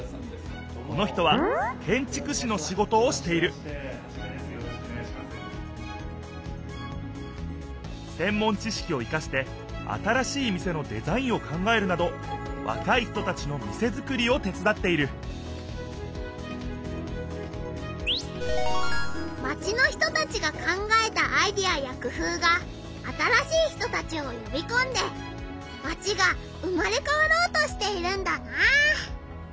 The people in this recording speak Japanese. この人は建ちく士のしごとをしているせん門知しきを生かして新しい店のデザインを考えるなどわかい人たちの店作りを手つだっているマチの人たちが考えたアイデアやくふうが新しい人たちをよびこんでマチが生まれ変わろうとしているんだな。